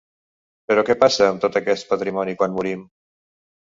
Però què passa amb tot aquest patrimoni quan morim?